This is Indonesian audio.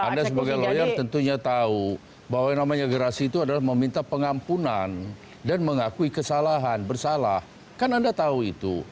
anda sebagai lawyer tentunya tahu bahwa yang namanya gerasi itu adalah meminta pengampunan dan mengakui kesalahan bersalah kan anda tahu itu